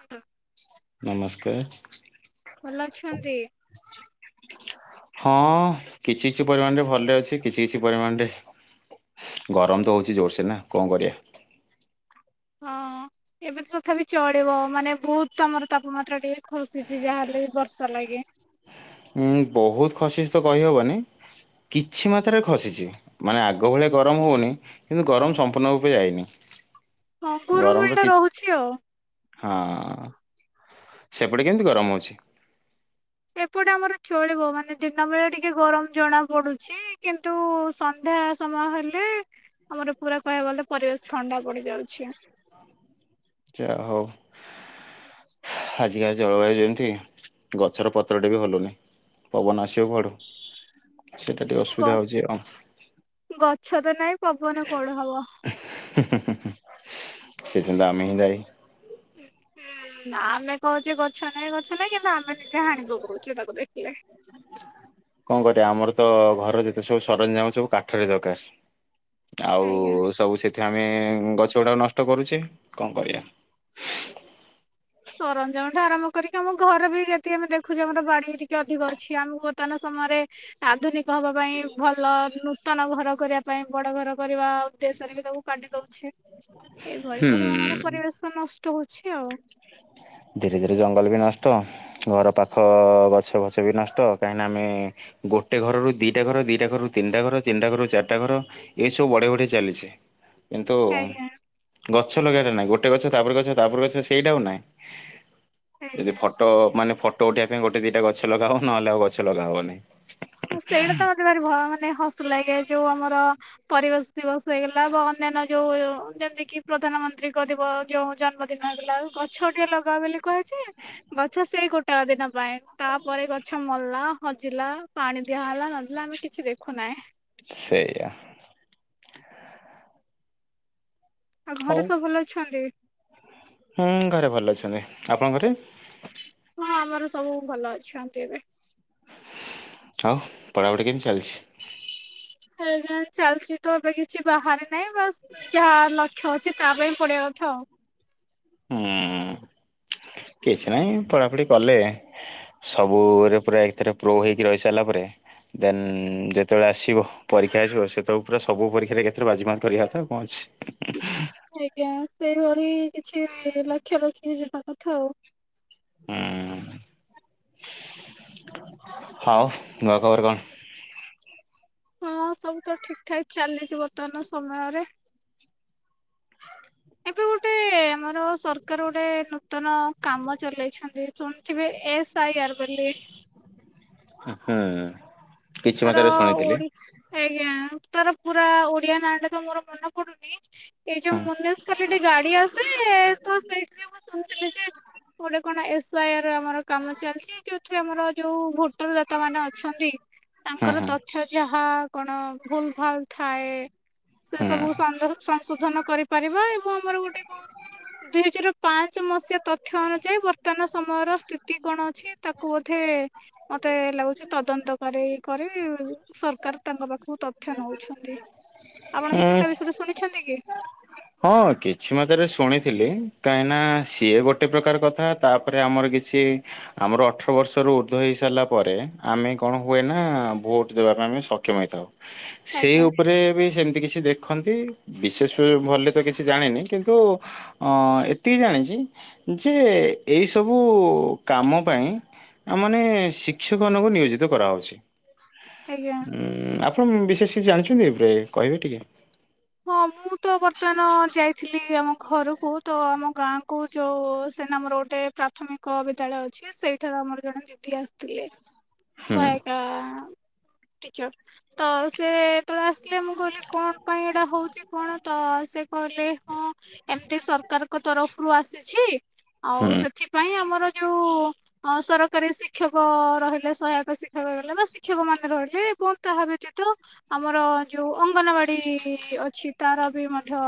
ଆଜ୍ଞା, ନମସ୍କାର। ଭଲ ଅଛନ୍ତି? ହଁ କିଛି କିଛି ପରିମାଣ ରେ ଭଲରେ ଅଛି। କିଛି କିଛି ପରିମାଣରେ ଗରମ ତ ହଉଛି ଜୋରସେ ନା କଣ କରିବା। ହଁ। ଏବେ ତ ତଥାପି ଚଳିବ ମାନେ ବହୁତ ଆମର ତାପମାତ୍ରା ଟିକେ ଖସିଛି ଯାହାହେଲେ ବି ବର୍ଷା ଲାଗି। ଉଁ ବହୁତ ଖସି ତ କହିହବନି କିଛି ମାତ୍ରାରେ ଖସିଛି ମାନେ ଆଗ ଭଳିଆ ଗରମ ହଉନି କିନ୍ତୁ ଗରମ ସମ୍ପୂର୍ଣ୍ଣ ରୂପେ ଯାଇନି। ହଁ ଗରମ ଗୁରୁମୂଳି ର ଟା କିଛି ରହୁଛି ଆଉ ହଁ ସେପଟେ କେମିତି ଗରମ ଅଛି। ଏପଟେ ଆମର ଚଳିବ ମାନେ ଦିନ ବେଳେ ଟିକେ ଗରମ ଜଣା ପଡୁଛି କିନ୍ତୁ ସନ୍ଧ୍ୟା ସମୟ ହେଲେ ଆମର ପୁରା କହିବାକୁ ଗଲେ ପରିବେଶ ଥଣ୍ଡା ପଡ଼ି ଯାଉଛି। ଯାହା ହୋଉ ଆଜିକାଲି ଜଳବାୟୁ ଯେମିତି ଗଛର ପତ୍ରଟେ ବି ହଲୁନି। ପବନ ଆସିବ କୁଆଡୁ ସେଟା ଟିକେ ଗ ଅସୁବିଧା ହଉଚି ଆଉ। ଗଛ ତ ନାହିଁ ପବନ କୁଆଡ଼େ ହବ। [unintelligible] ଆମେ ହ୍ନି ଦାୟୀ। ନା ଆମେ କହୁଛେ ଗଛ ନାଇଁ ଗଛ ନାଇଁ କିନ୍ତୁ ଆମେ ନିଜେ ହାଣି ପକଉଛେ ତାକୁ ଦେଖିଲେ। [unintelligible] କଣ କରିବା ଆମର ତ ଘର ଯେତେ ସବୁ ସରଞ୍ଜାମ ସବୁ କାଠରେ ଦରକାର। ଆଉ ଆଜ୍ଞା ସବୁ ସେ ଏ ଆମେ ଗଛ ଗୁଡାକ ନଷ୍ଟ କରୁଛେ କଣ କରିବା। ସରଞ୍ଜାମ ଟା ଆରମ୍ କରିକି ଆମ ଘର ବି ଯଦି ଆମେ ଦେଖୁଛେ ଆମର ବାଡି ଟିକେ ଅଧିକ ଅଛି ଆମକୁ ବର୍ତ୍ତମାନ ସମୟରେ ଆଧୁନିକ ହବା ପାଇଁ ଭଲ ନୂତନ ଘର କରିବା ପାଇଁ ବଡ ଘର କରିବା ଉଦ ତାକୁ କାଟି ଦଉଛେ ଏଇଭଳି ହୁଁ। ପରିମାଣରେ ପରିବେଶ ନଷ୍ଟ ହଉଛି ଆଉ। ଧୀରେ ଧୀରେ ଜଙ୍ଗଲ ବି ନଷ୍ଟ ଘର ପାଖ ଗଛ ଫଛ ବି ନଷ୍ଟ କାହିଁକିନା ଆମେ ଗୋଟେ ଘରରୁ ଦିଟା ଘର ଦିଟା ଘରୁ ତିନିଟା ଘର ତିନିଟା ଘରୁ ଚାରିଟା ଘର ଏସବୁ ବଢ଼େଇ ବଢ଼େଇ ଚାଲିଛି। କିନ୍ତୁ ଆଜ୍ଞା ଗଛ ଲଗେଇଟା ନାଇଁ ଗୋଟେ ଗଛ ତାପରେ ଗଛ ତାପରେ ଗଛ ସେଇଟା ହ ନାଇଁ ଯଦି ଆଜ୍ଞା। ଫଟୋ ମାନେ ଫଟୋ ଉଠେଇବା ପାଇଁ ଗୋଟେ ଦିଟା ଗଛ ଗଛ ଲଗା ହବ ନହେଲେ ଆଉ ଗଛ ଲଗା ହବନି। ହଁ ସେଇଟା ତ ମତେ ଭାରି ମାନେ ହସ ଲାଗେ ଯୋଉଁ ଆମର ପରିବେଶ ଦିବସ ହେଇଗଲା ବା ଅନ୍ୟାନ୍ୟ ଯୋଉଁ ଯେମିତି କି ପ୍ରଧାନମନ୍ତ୍ରୀଙ୍କ ଦିବସ [inaudible] ଜନ୍ମଦିନ ହେଇଗଲା ଗଛ ଟିକେ ଲଗାଅ ବୋଲି କୁହାଯାଇଛି ଗଛ ସେଇ ଗୋଟାକ ଦିନ [inaudible] ତାପରେ ଗଛ ମଲା ହଜିଲା ପାଣି ଦିଆହେଲା ନଦିଆହେଲା ଆମେ କିଛି ଦେଖୁନାହିଁ। ସେଇଆ। ଆଉ ଘରେ ସବୁ ଭଲ ଅଛନ୍ତି? ହୁଁ ଘରେ ଭଲ ଅଛନ୍ତି। ଆପଣଙ୍କ ଘରେ? ହଁ ଆମର ସବୁ ଭଲ ଅଛନ୍ତି ଏବେ। ଆଉ ପଢ଼ାପଢ଼ି କେମିତି ଚାଲିଛି? ହେ ଚାଲିଛି ତ ଏବେ କିଛି ବାହାରି ନାହିଁ ବାସ୍ ଯାହା ଲକ୍ଷ୍ୟ ଅଛି ତା ପାଇଁ ପଢିବା କଥା ଆଉ। ହୁଁ। କିଛି ନାହିଁ ପଢ଼ାପଢ଼ି କଲେ ସବୁରେ ପୁରା ଏହିଥିରେ ପ୍ରୋ ହେଇକି ରହିସାରିଲା ପରେ ଦେନ୍ ଯେତେବେଳେ ଆସିବ ପରୀକ୍ଷା ଆସିବ ସେତେବେଳେ ପୁରା ସବୁ ପରୀକ୍ଷାରେ ବାଜିମାତ କରିବା କଥା କଣ ଅଛି। ଆଜ୍ଞା ସେଇଭଳି କିଛି ଲକ୍ଷ୍ୟ ରଖିକି ଯିବା କଥା ଆଉ। ହୁଁ ହଉ ଘର ଖବର କଣ? ହଁ ସବୁ ତ ଠିକଠାକ ଚାଲିଛି ବର୍ତ୍ତମାନ ସମୟରେ। [unintelligible] ଏ ଆମର ସରକାର ଗୋଟେ ନୂତନ କାମ ଚଲେଇଛନ୍ତି ଶୁଣିଥିବେ ଏସ୍ ଆଇ ଆର ବୋଲି। ଲେ ହୁଁ କିଛି ତାର ମାତ୍ରାରେ ଶୁଣିଥିଲି। ଓଡି ଆଜ୍ଞା ତାର ପୁରା ଓଡିଆ ନାଁ ଟା ତ ମୋର ମନ ପଡୁନି ଏଇ ଯୋଉ ହୁଁ ମୁନିସିପାଲିଟି ଗାଡି ଆସେ ତ ସେଇଠି ଶୁଣିଥିଲି ଯେ ଗୋଟେ କଣ ଏସ ଆଇ ଆର ଆମର କାମ ଚାଲିଛି ଏ ଆମର ଯୋଉ ଭୋଟରଦାତା ମାନେ ଅଛନ୍ତି ହୁଁ ତାଙ୍କର ହୁଁ ତଥ୍ୟ ଯାହା କଣ ଭୁଲ ଭାଲ ଥାଏ ସେ ସବୁ ସଂଶୋଧନ କରିପାରିବା ଏବଂ ଆମର ଗୋଟେ କଣ ଦୁଇ ହଜାର ପାଞ୍ଚ ମସିହା ତଥ୍ୟ ଅନୁଯାୟୀ ବର୍ତ୍ତମାନ ସମୟର ସ୍ଥିତି କଣ ଅଛି ତାକୁ ବୋଧେ ମତେ ଲାଗୁଛି ତଦନ୍ତ କରି କରି ସରକାର ତାଙ୍କ ପାଖକୁ ତଥ୍ୟ ନଉଛନ୍ତି। ଆପଣ କିଛି ହୁଁ ତା ବିଷୟରେ ଶୁଣିଛନ୍ତି କି? ହଁ କିଛି ମାତ୍ରାରେ ଶୁଣିଥିଲି କାହିଁକି ନା ସିଏ ଗୋଟେ ପ୍ରକାର କଥା ତାପରେ ଆମର ଆମର ଅଠର ବର୍ଷ ର ଉର୍ଦ୍ଧ୍ୱ ହେଇ ସାରିଲା ପରେ ଆମେ କଣ ହୁଏ ନା ଭୋଟ ଦେବାର ଆମେ ସକ୍ଷମ ହେଇଥାଉ ସେଇ ଆଜ୍ଞା ଉପରେ ବି ସେମିତି କିଛି ଦେଖନ୍ତି ବିଶେଷ ଭଲ ତ କିଛି ଜାଣିନି କିନ୍ତୁ ଏତିକି ଜାଣିଛି ଯେ ଏଇସବୁ ଓ କାମ ପାଇଁ ମାନେ ଶିକ୍ଷକ ମାନଙ୍କୁ ନିୟୋଜିତ କରାହେଉଛି। ଆଜ୍ଞା। ଉଁ ଆପଣ ବିଶେଷ କିଛି ଜାଣିଛନ୍ତି କହିବେ ଟିକେ? ହଁ ମୁଁ ତ ବର୍ତ୍ତମାନ ଯାଇଥିଲି ଆମ ଘରକୁ ତ ଆମ ଗାଁ କୁ ଯୋଉ ସେନା ଆମର ଗୋଟେ ପ୍ରଥମେ କ ବିଦ୍ୟାଳୟ ଅଛି ସେଇଠାରୁ ଆମର ଜଣେ ଦିଦି ଆସିଥିଲେ [inaudible] ହୁଁ ଟିଚେର ତ ସେ ଯେତେବେଳେ ଆସିଲେ ମୁଁ କହିଲି କଣ ପାଇଁ ଏଇଟା ହଉଛି କଣ ତ ସେ କହିଲେ ହଁ ଏମିତି ସରକାରଙ୍କ ତରଫରୁ ଆସିଛି ଆଉ ହୁଁ ସେଥିପାଇଁ ଆମର ଯୋଉ ଅ ସରକାରୀ ଶିକ୍ଷକ ରହିଲେ ସହାୟତା ଶିକ୍ଷକ ରହିଲେ ବା ଶିକ୍ଷକ ମାନେ ରହିଲେ ବ ତାହା ଭ ତୁ ଆମର ଯୋଉ ଅଙ୍ଗନବାଡି ଅଛି ତାର ବି ମଧ୍ୟ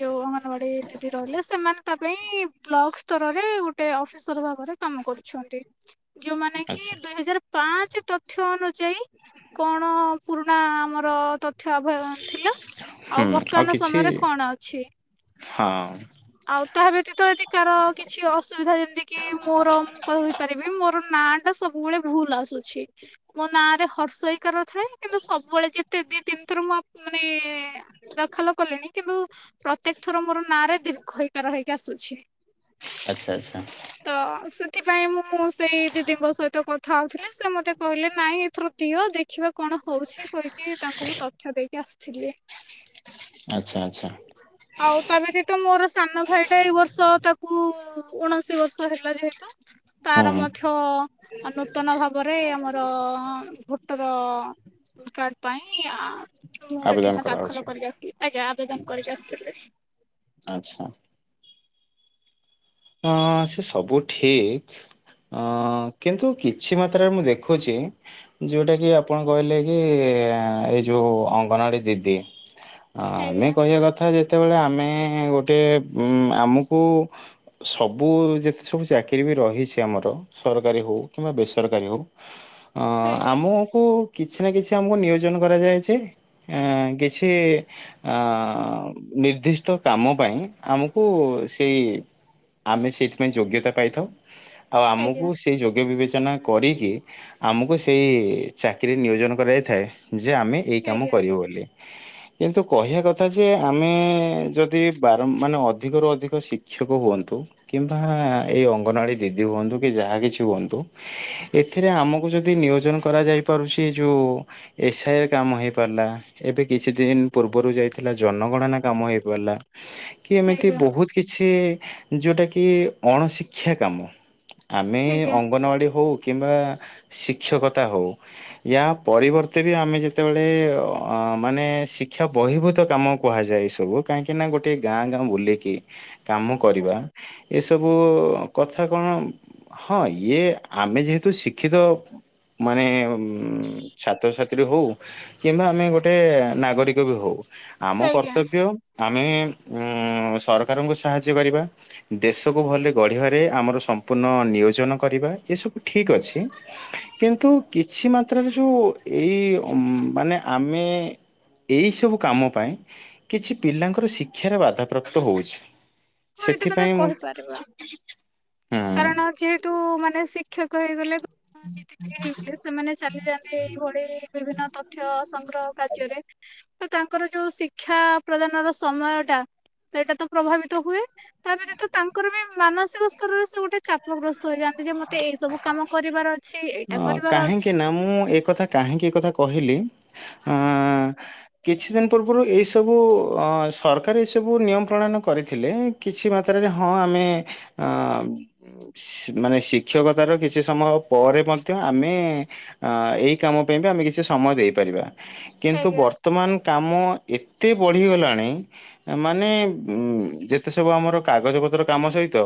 ଯୋଉ ଅଙ୍ଗନବାଡି ଦିଦି ରହିଲେ ସେମାନେ ତା ପାଇଁ ବ୍ଲକ ସ୍ତରରେ ଗୋଟେ ଅଫିସର ଭାବରେ କାମ କରୁଛନ୍ତି। ଯୋଉ ମାନେ କି ଆଚ୍ଛା ଦୁଇ ହଜାର ପାଞ୍ଚ ତଥ୍ୟ ଅନୁଯାୟୀ କଣ ପୁରୁଣା ଆମର ତ ଥ୍ୟ ଥିଲା ଆଉ ହୁଁ ବର୍ତ୍ତମାନ ସମୟରେ କଣ ଅଛି? ହଁ। ଆଉ ତାହା ବ୍ୟତୀତ ଏତିି କାର କିଛି ଅସୁବିଧା ଯେମିତି କି ମୋର ମୁଁ କହିପାରିବି ମୋର ନା ଟା ସବୁବେଳେ ଭୁଲ ଆସୁଛି ମୋ ନାଁରେ ହର୍ଷଇକାର ଥାଏ କିନ୍ତୁ ସବୁବେଳେ ଯେତେ ଦି ତିନି ଥର ମୁଁ ମାନେ ଦାଖଲ କଲିଣି କିନ୍ତୁ ପ୍ରତ୍ୟେକ ଥର ମୋର ନାଁ ରେ ଦୀର୍ଘ ଇକା ର ହେଇକି ଆସୁଛି। ଆଚ୍ଛା-ଆଚ୍ଛା। ତ ସେଥିପାଇଁ ମୁଁଁ ସେଇ ଦିଦିଙ୍କ ସହିତ କଥା ହଉଥିଲି ସେ ମତେ କହିଲେ ନାଇଁ ଏଥିରୁ ଦିଅ ଦେଖିବା କଣ ହଉଛି କହିକି ତାଙ୍କୁ ତଥ୍ୟ ଦେଇକି ଆସିଥିଲି। ଆଚ୍ଛା-ଆଚ୍ଛା। ଆଉ ତା ବ୍ୟତୀତ ମୋର ସାନ ଭାଇ ଟା ଏଇ ବର୍ଷ ତାକୁ-ଉ-ଉ-ଉ ଉଣେଇଶି ବର୍ଷ ହେଲା ଯେହେତୁ। ତାର ମଧ୍ୟ ନୂତନ ଭାବରେ ଆମର-ଅ-ଅ-ଅ ଭୋଟର କାର୍ଡ ପାଇଁ ଆ-ଆ ମୁଁ ସେଠି କରାଉ ଦାଖଲ କରିକି ଆସିଲି ଆଜ୍ଞା ଆବେଦନ କରିକି ଆସିଲି। ଆଚ୍ଛା। ହଁ ସେ ସବୁ ଠିକ ଅ-ଅ-ଅ କିନ୍ତୁ କିଛି ମାତ୍ରାରେ ମୁଁ ଦେଖୁଛି ଯୋଉଟା କି ଆପଣ କହିଲେ କି-ଇ-ଇ-ଇ ଏ-ଏ-ଏ-ଏ ଏଇ ଯୋଉ ଅଙ୍ଗନବାଡି ଦିଦି ହଁ ଆମେ ଆଜ୍ଞା କହିବା କଥା ଯେତେବେଳେ ଆମେ-ଏ-ଏ-ଏ ଗୋଟେ-ଏ-ଏ ଉ-ଉ-ଉ ଆମକୁ ସବୁ-ଉ-ଉ-ଉ ଯେତେ ସବୁ ଚାକିରୀ ବି ରହିଛି ଆମର ସରକାରୀ ହଉ କିମ୍ବା ବେସରକାରୀ ହଉ। ହଁ-ଅ-ଅ ଆଜ୍ଞା ଆମକୁ କିଛି ନା କିଛି ଆମକୁ ନିୟୋଜନ କରାଯାଇଛି। ଅଁ-ଅ-ଅ କିଛି ଅଁ-ଅ-ଅ-ଅ-ଅ ନିର୍ଦ୍ଦିଷ୍ଟ କାମ ପାଇଁ ଆମକୁ ସେଇ ଆମେ ସେଇଥିପାଇଁ ଯୋଗ୍ୟତା ପାଇଥାଉ। ଆଉ ଆମକୁ ଆଜ୍ଞା ସେଇ ଯୋଗ୍ୟ ବିବେଚ- ଚନା କରିକି ଆମକୁ ସେଇ-ଇ-ଇ ଚାକିରି ନିୟୋଜନ କରାଯାଇଥାଏ। ଯେ ଆମେ ଏଇ କାମ ଆଜ୍ଞା କରିବୁ ବୋଲି। କିନ୍ତୁ କହିବା କଥା ଯେ ଆମେ-ଏ-ଏ-ଏ ଯଦି ବାରମ୍ ମାନେ ଅଧିକରୁ ଅଧିକ ଶିକ୍ଷକ ହୁଅନ୍ତୁ। କିମ୍ବା-ଆ-ଆ ଏଇ ଅଙ୍ଗନବାଡି ଦିଦି ହୁଅନ୍ତୁ କି ଯାହା କିଛି ହୁଅନ୍ତୁ ଏଥିରେ ଆମକୁ ଯଦି ନିୟୋଜନ କରାଯାଇ ପାରୁଛି ଯୋଉ ଏସ୍ ଆଇ କାମ ହେଇ ପାରିଲା ଏବେ କିଛି ଦିନ ପୂର୍ବ ପୂବରୁ ଯାଇଥିଲା ଜନଗଣନା କାମ ହେଇପାରିଲା କି ଏମିତି ଆଜ୍ଞା ବହୁତ କିଛି ଯେଉଁଟା କିି ଅଣଶିକ୍ଷା କାମ ଆମେ ଆଜ୍ଞା ଅଙ୍ଗନୱାଡ଼ି ହଉ କିମ୍ବା ଶିକ୍ଷକତା ହେଉ ୟା ପରିବର୍ତ୍ତେ ବି ଆମେ ଯେତେବେଳେ-ଏ-ଏ-ଏ ଅ ଅ ମାନେ ଶିକ୍ଷା ବହିଭୂତ କାମ କୁହାଯାଏ ଏସବୁ। କାହିଁକିନା ଗୋଟେ ଗାଁ ଗାଁ ବୁଲିକି କାମ କରିବା ଏସବୁ-ଉ-ଉ-ଉ କଥା କଣ ହଁ ଇଏ ଆମେ ଯେହେତୁ ଶିକ୍ଷିତ ମାନେ-ଏ-ଏ-ଏ ଅମ୍-ମ୍-ମ୍ ଛାତ୍ରଛାତ୍ରୀ ହଉ କିମ୍ବା ଆମେ ଗୋଟେ ନାଗରିକ ବି ହଉ। ଆମ ଆଜ୍ଞା କର୍ତ୍ତବ୍ୟ ଆମେ ଉଁ-ଉ-ଉ ସରକାରଙ୍କ ସାହାଯ୍ୟ ର୍ଯ୍ୟ କରିବା ଦେଶକୁ ଭଲରେ ଗଢ଼ିବାରେ ଆମର ସମ୍ପୂର୍ଣ୍ଣ ନିୟୋଜନ କରିବା ଏସବୁ ଠିକ୍ ଅ ଛି କିନ୍ତୁ କିଛି ମାତ୍ରାରେ ଯୋଉ ଏଇ ଅମ୍-ମ୍-ମ୍ ମାନେ ଆମେ-ଏ-ଏ ଏହି ସବୁ କାମ ପାଇଁ କିଛି ପିଲାଙ୍କର ଶିକ୍ଷାରେ ବାଧାପ୍ରାପ୍ତ ହେଉଛି। ହଁ ଏଇଟା ତମେ କହିପାରିବା ହୁଁ କାରଣ ଯେହେତୁ ମାନେ ସେ ଶିକ୍ଷକ ହେଇଗଲେ ହୁଁ [unintelligible] ଟିକେ ହେଇଗଲେ ସେମାନେ ଚାଲି ଯାଆନ୍ତି [unintelligible] ବିଭିନ୍ନ ତଥ୍ୟ ସଂଗ୍ରହ କାର୍ଯ୍ୟରେ। ତ ତାଙ୍କର ଯୋଉ ଶିକ୍ଷା ପ୍ରଦାନର ସମୟ ଟା ସେଇଟା ତ ପ୍ରଭାବିତ ବିତ ହୁଏ ତା ବ୍ୟତୀତ ତାଙ୍କର ବି ମାନସିକ ସ୍ତରରେ ସେ ଗୋଟେ ଚା ଚାପଗ୍ରସ୍ତ ହେଇଯାଆନ୍ତି ଯେ ମତେ ଏଇ ସବୁ କାମ କରିବାର ଅଛି, ଏଇଟା ଅ କରିବାର କାହିଁକି ଅଛି। ନା ମୁଁ ଏ କଥା କାହିଁକି ଏ କଥା କହିଲି ଆ-ଆ-ଆ-ଆ କିଛି ଦିନ ପୂର୍ବରୁ ଏଇସବୁ ଅଁ ସରକାର ଏଇ ସବୁ ନିୟମ ପ୍ରଣୟନ କରିଥିଲେ। କିଛି କିଛି ମାତ୍ରାରେ ହଁ ଆମେ ଏ-ଏ-ଏ-ଏ ସେମାନେ ଶିକ୍ଷକତାର କିଛି ସମୟ ପରେ ମଧ୍ୟ ଆମେ-ଏ-ଏ-ଏ ଅ-ଅ-ଅ ଏଇ କାମ ପାଇଁ ବି ଆମେ କିଛି ସମୟ ଦେଇପାରିବା। କିନ୍ତୁ ଆଜ୍ଞା ବର୍ତ୍ତମାନ କାମ ଏ ଏତେ ପଢ଼ିଗଲାଣି ମାନେ ଉମ୍-ଉମ୍ ଯେତେ ସବୁ ଆମର କାଗଜପତ୍ର କାମ ସହିତ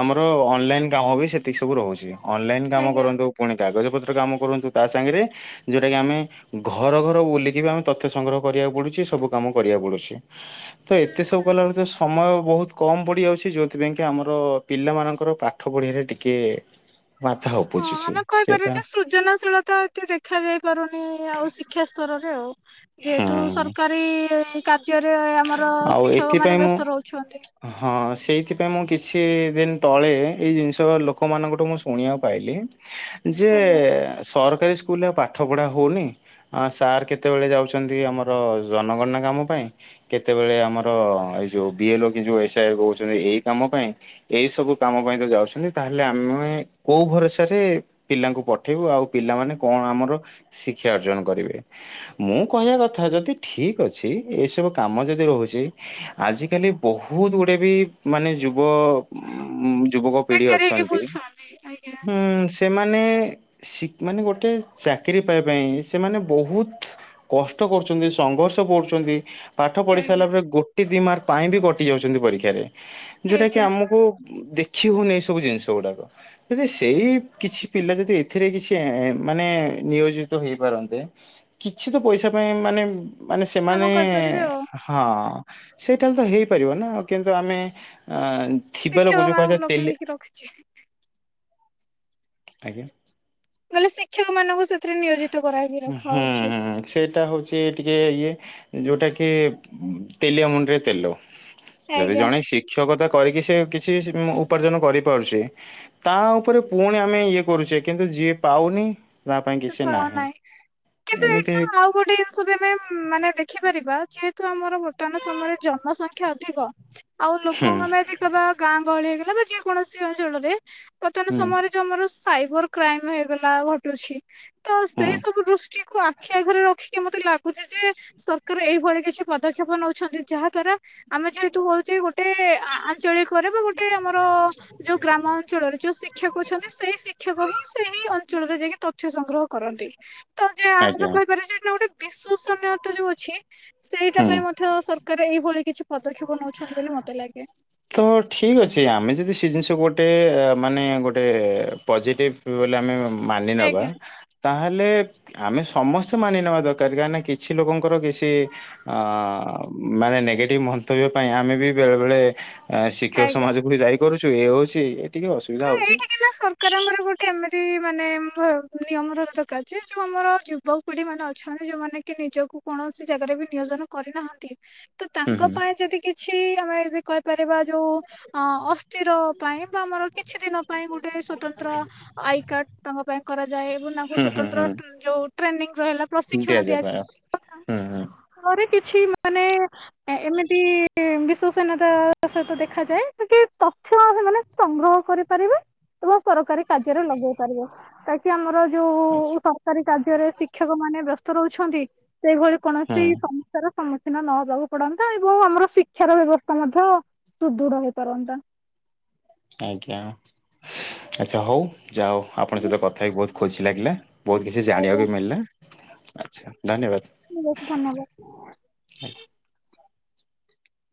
ଆମର ଅନଲାଇନ କାମ ବି ସେତିକି ସବୁ ରହୁଛି। ଅନଲାଇନ କାମ ଆଜ୍ଞା କରନ୍ତୁ, ପୁଣି କାଗଜ ପତ୍ର କାମ କରନ୍ତୁ ତା ସାଙ୍ଗରେ ଯୋଉଟା କି ଆମେ ଘର ଘର ବୁଲିକି ଆମେ ତଥ୍ୟ ସଂଗ୍ରହ କରିବାକୁ ପଡୁଛି। ସବୁ କାମ କରିବାକୁ ପଡୁଛି। ତ ହୁଁ ଏତେ ସବୁ ହୁଁ। କଲା ପରେ ସମୟ ବହୁତ କମ ପଡି ଯାଉଛି ଯଉ ସେଥିପାଇଁକି ଆମର ପିଲାମାନଙ୍କର ପାଠ ପଢ଼ିବା ରେ ଟିକେ-ଏ-ଏ ହଁ ଉପୁଛୁଛି। ଆମେ କହିପାରିବା ଯେ ସୃଜନାଶୀଳତା ଟେ ଦେଖାଯାଇ ପାରୁନି-ଇ-ଇ-ଇ ଆଉ ଶିକ୍ଷା ସ୍ତରରେ ଆଉ। ଯେହେତୁ ହୁଁ ସରକାରୀ-ଇ-ଇ-ଇ-ଇ ଆଉ ଏଥିପାଇଁ ମୁଁ ବ୍ୟସ୍ତ ରହୁଛନ୍ତି। ହଁ ସେଇଥିପାଇଁ ମୁଁ କିଛି-ଇ-ଇ-ଇ ଦିନ୍ ତଳେ ଏଇ ଜିନିଷ ଲୋକମାନାନଙ୍କଠୁ ମୁଁ ଶୁଣିବାକୁ ପାଇଲି। ଯେ ଆଜ୍ଞା ସରକ ସରକାରୀ ସ୍କୁଲରେ ଆଉ ପାଠପଢ଼ା ହେଉନି ଅଁ ସାର୍ କେତେବେଳେ ଯାଉଛନ୍ତି ଆମର ଜନଗଣନା କାମ ପାଇଁ। କେତେବେଳେ ଆମର ଏଇ ଯୋଉ ବିଏଲ ଅ କି ଯୋଉ ଏସ୍ଆଇ କହୁଛନ୍ତି ଏଇ କାମ ପାଇଁ। ଏଇ ସବୁ କାମ ପାଇଁ ତ ଯାଉଛନ୍ତି ତାହେଲେ ଆମେ କୋଉ ଭରସାରେ ପିଲାଙ୍କୁ ପଠେଇବୁ ଆଉ ପିଲାମାନେ କଣ ଆମର ଶିକ୍ଷା ଅର୍ଜନ କରିବେ। ମୁଁ କହିବା କଥା ଯଦି ଠିକ ଅଛି ଏସବୁ କାମ ଯଦି ରହୁଛି ଆଜିକାଲି ବହୁତ ଗୁଡେ ବି ମାନେ ଯୁବ ଯୁବକ ପିଢି ବେକାର ହେଇକି ଅଛନ୍ତି ବୁଲୁଛନ୍ତି ଆଜ୍ଞା ହଁ ସେମାନେ ସି ମାନେ ଗୋଟେ ଚାକିରୀ ପାଇବା ପାଇଁ ସେମାନେ ବହୁତ କଷ୍ଟ କରୁଛନ୍ତି ସଂଘର୍ଷ ପଡୁଛନ୍ତି ପାଠ ପଢି ସାରିଲା ଆଜ୍ଞା ପରେ ଗୋଟେ ଦି ମାର୍କ ପାଇଁ ବି କଟି ଯାଉଛନ୍ତି ପରୀକ୍ଷାରେ। ଯୋଉଟା କି ଆଜ୍ଞା ଆମକୁ ଦେଖି ହୋଉନି ସବୁ ଜିନିଷ ଗୁଡାକ ଯଦି ସେଇ କିଛି ପିଲା ଯଦି ଏଥିରେ କିଛି ଏଁ ମାନେ ନିୟୋଜି ତ ହେଇପାରନ୍ତେ କିଛି ତ ପଇଷା ପାଇଁ ମାନେ ମାନେ କାମ ସେମାନେ କରିପାରିବେ ଆଉ। ହଁ ସେଇଟା ତ ହେଇପାରିବ ନା କିନ୍ତୁ ଆମେ ଅ ଶିକ୍ଷକ ମାନଙ୍କୁ ଲଗେଇକି ରଖିଛି। ଆଜ୍ଞା। ବୋଇଲେ ଶିକ୍ଷକ ମାନଙ୍କୁ ସେଥିରେ ନିୟୋଜିତ କରାହେଇକି ହୁଁ ରଖାହଉଛି। ସେଇଟା ହୋଉଚି ଟିକେ ଇଏ। ଯୋଉଟା କି ତେଲିଆ ମୁଣ୍ଡରେ ତେଲ‌। ଯଦି ଆଜ୍ଞା ଜଣେ ଶିକ୍ଷକତା କରିକି ସେ କିଛି ସେ ଉପାର୍ଜନ କରିପାରୁଚି ତା ଉପରେ ପୁଣି ଆମେ ଇଏ କରୁଚେ କିନ୍ତୁ ଯିଏ ପାଉନି ତା ପାଇଁ [unintelligible] କିଛି କଣ ନାହିଁ କିନ୍ତୁ ଏଇଠି ଏମିତି ନା ଆଉ ଗୋଟେ ଜିନିଷ ବି ଆମେ ମାନେ ଦେଖିପାରିବା ଯେହେତୁ ଆମର ବର୍ତ୍ତମାନ ସମୟରେ ଜନସଂଖ୍ୟା ଅଧିକ ଆଉ ହୁଁ ଲୋକମାନେ ଯଦି କହିବା ଗାଁ ଗହଳି ହେଇଗଲା ବା ଯେ କୌଣସି ଅଞ୍ଚଳରେ ବର୍ତ୍ତମାନ ହୁଁ ସମୟରେ ଯୋଉ ଆମର ସାଇବର କ୍ରାଇମ ହେଇଗଲା ଘଟୁଛି ତ ହୁଁ ସେଇ ସବୁ ଦୃଷ୍ଟିକୁ ଆଖି ଆଗରେ ରଖି ମତେ ଲାଗୁଚି ଯେ ସରକାର ଏଇଭଳି କିଛି ପଦକ୍ଷେପ ନୋଉଛନ୍ତି। ଯାହା ଦ୍ଵାରା ଆମେ ଯେହେତୁ ହୋଉଚେ [unintelligible] ଯଦି ଗୋଟେ ଆ-ଆଞ୍ଚଳିକରେ ବା ଗୋଟେ ଆମର ଯୋଉ ଗ୍ରାମ ଅଞ୍ଚଳରେ ଯୋଉ ଶିକ୍ଷକ କୋହୁଛନ୍ତି ସେଇ ଶିକ୍ଷକ ହିଁ ସେଇ ଅଞ୍ଚଳରେ ଯାଇକି ତଥ୍ୟ ସଂଗ୍ରହ କରନ୍ତି। ତ ଯେ ଆମେ ଆଜ୍ଞା କହିପାରିବା ଯେ ଏଥିରେ ଗୋଟେ ବିଶ୍ୱସନୀୟତା ଯୋଉ ଅଛି ସେଇଟା ହୁଁ ପାଇଁ ମଧ୍ୟ ସରକାର ଏଇଭଳି କିଛି ପଦକ୍ଷେପ ନଉଛନ୍ତି ବୋଲି ମତେ ଲାଗେ। ତ ଠିକ୍ ଅଛି ଆମେ ଯଦି ସେ ଜିନିଷ ଗୋ ଟେ ମାନେ ଗୋଟେ ପଜେଟିଭ୍ ବୋଇଲେ ଆମେ ମାନି ନବା ଆଜ୍ଞା। ତାହେଲେ ଆମେ ସମସ୍ତେ ମାନି ନେବା ଦରକାର କାହିଁକ ନା କିଛି ଲୋକଙ୍କର କିଛି ଅ ମାନେ ନେଗେଟିଭ୍ ମନ୍ତବ୍ୟ ପାଇଁ ଆମେ ବି ବେଳେ ବେଳେ ଶିକ୍ଷକ ଆଜ୍ଞା। ସମାଜକୁ ଦାଇ କରୁଚୁ ଏ ହଉଚି ତ ଏଇଠି କିନା ସରକାରଙ୍କର ଗୋଟେ ଏମିତି ମାନେ ଭ ନିୟମ ର ଦରକାର ଯେ ଯୋଉ ମୋର ଯୁବ ପିଢି ମାନେ ଅଛନ୍ତି ଯୋଉମାନେ କି ନିଜକୁ କଣ କୌଣସି ଜାଗାରେ ବି ନିୟୋଜନ କରିନାହାନ୍ତି ତ ହୁଁ ହୁଁ ତାଙ୍କ ପାଇଁ ଯଦି କିଛି ଆମେ ଯ କହିପାରିବା ଯୋଉ ଅ ଅସ୍ଥିର ପାଇଁ ବା ଆମର କିଛି ଦିନ ପାଇଁ ଗୋଟେ ସ୍ୱତନ୍ତ୍ର ଆଇକାର୍ଡ ତାଙ୍କ ପାଇଁ କରାଯାଏ ଏବଂ ତାଙ୍କୁ ହୁଁ ହୁଁ ସ୍ୱତନ୍ତ୍ର ଟ୍ର ଯୋଉ ହେଲା ହୁଁ ପ୍ରଶିକ୍ଷଣ ଦିଆଯାଏ ଦିଆଯାଇପାର ହୁଁ ହୁଁ [unintelligible] କିଛି ମାନେ ଏମିତି ବିଶ୍ଵସନୀୟତା ସହିତ ଦେଖାଯାଏ କି ପ ଛି ଆ ମାନେ ସଂଗ୍ରହ କରିପାରିବେ କିବା ସରକାରୀ କାର୍ଯ୍ୟରେ ଲଗେଇ ପାରିବେ ତାକି ଆମର ଯୋଉ ଆଚ୍ଛା। ସରକାରୀ କାର୍ଯ୍ୟରେ ଶିକ୍ଷକ ମାନେ ବ୍ୟସ୍ତ ରହୁଛନ୍ତି ସେହିଭଳି କୌଣସି ହୁଁ ସମସ୍ୟାର ସମୁ ଖିନ ନହବାକୁ ପଡନ୍ତା ଏବଂ ଆମର ଶିକ୍ଷାର ବ୍ୟବସ୍ଥା ମଧ୍ୟ ସୁଦୃଢ ହେଇପାରନ୍ତା। ଆଜ୍ଞା ଆଚ୍ଛା ହଉ ଯାହା ହଉ ଆପଣଙ୍କ ସହିତ କଥା ହେଇକି ବହୁତ ଖୁସି ଲାଗିଲା। ବହୁତ କିଛି ଜାଣିବାକୁ ମିଳିଲ ଆଛା ଧନ୍ୟବାଦ। ଧନ୍ୟବାଦ ଆଜ୍ଞା।